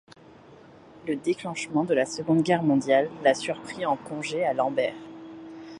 Le déclenchement de la Seconde Guerre mondiale l'a surpris en congé à Lemberg.